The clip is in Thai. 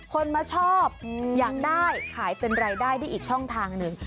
คนมาชอบอยากได้ขายเป็นรายได้ได้อีกช่องทางหนึ่ง